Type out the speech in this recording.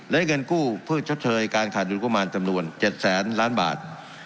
และเงินกู้เพื่อชดเชยการขาดดุลประมาณจำนวน๗แสนล้านบาท